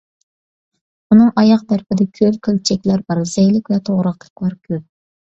ئۇنىڭ ئاياغ تەرىپىدە كۆل، كۆلچەكلەر بار، زەيلىك ۋە توغراقلىقلار كۆپ.